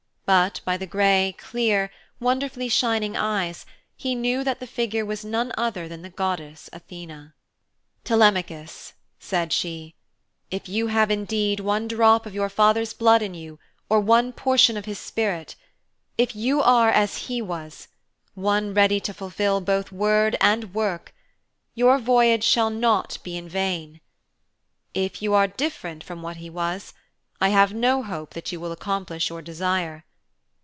But by the grey, clear, wonderfully shining eyes he knew that the figure was none other than the goddess Athene. 'Telemachus,' said she, 'if you have indeed one drop of your father's blood in you or one portion of his spirit, if you are as he was one ready to fulfil both word and work, your voyage shall not be in vain. If you are different from what he was, I have no hope that you will accomplish your desire.